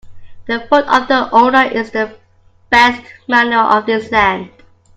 The foot of the owner is the best manure for his land.